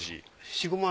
４５万。